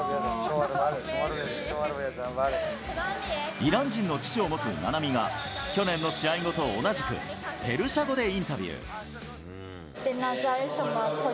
イラン人の父を持つ菜波が、去年の試合後と同じくペルシャ語でインタビュー。